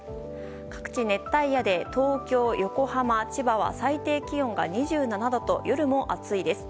各地熱帯夜で東京、横浜、千葉は最低気温が２７度と夜も暑いです。